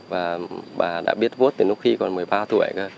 và bà đã biết vốt từ lúc khi còn một mươi ba tuổi cơ